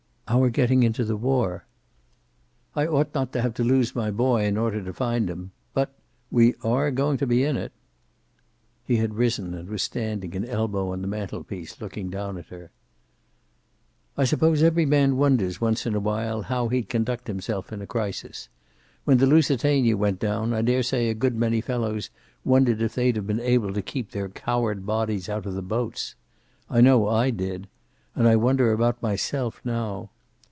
"Our getting into the war." "I ought not to have to lose my boy in order to find him. But we are going to be in it." He had risen and was standing, an elbow on the mantel piece, looking down at her. "I suppose every man wonders, once in a while, how he'd conduct himself in a crisis. When the Lusitania went down I dare say a good many fellows wondered if they'd have been able to keep their coward bodies out of the boats. I know I did. And I wonder about myself now.